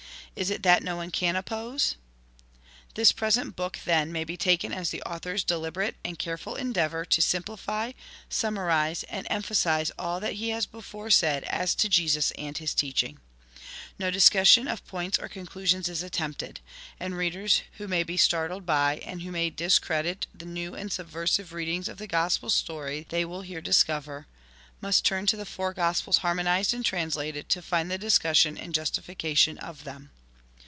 Is it that no one can oppose ? 1 By The Brotherhood Publishing Co., London. 2 Published by T. Y. Crowell & Co. NOTE vii This present book, then, may be taken as the Author's deliberate and careful endeavour to sim plify, summarise, and emphasise all that he has before said as to Jesus and his teaching. No dis cussion of points or conclusions is attempted ; and readers who may be startled by, and who may dis credit, the new and subversiTe readings of the Gospel story they will here discover, must turn to The Four Gospels Harmonised and Translated to find the discussion and justification of them.